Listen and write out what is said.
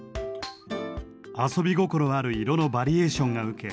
遊び心ある色のバリエーションが受け